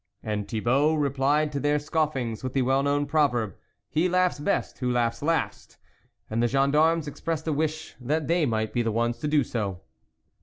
And Thibault replied to their scoffings with the well known Proverb :" He laughs best who laughs last," and the gendarmes expressed a wish that they might be the ones to do so.